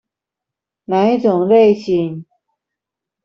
那一種類型